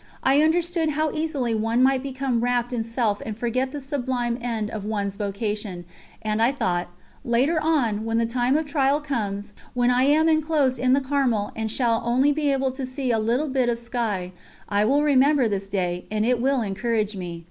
I understood how easily one might become wrapped in self and forget the sublime end of one's vocation, and I thought: "Later on, when the time of trial comes, when I am enclosed in the Carmel and shall only be able to see a little bit of sky, I will remember this day and it will encourage me.